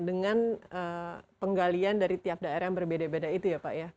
dengan penggalian dari tiap daerah yang berbeda beda itu ya pak ya